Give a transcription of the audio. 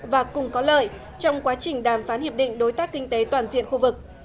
và cùng có lợi trong quá trình đàm phán hiệp định đối tác kinh tế toàn diện khu vực